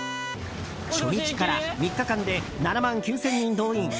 初日から３日間で７万９０００人動員。